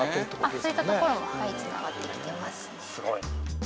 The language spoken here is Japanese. そういったところも繋がってきてますね。